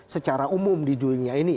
secara umum di dunia ini